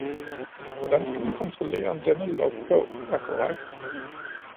Hvordan skal man kontrollere, om denne logbog er korrekt?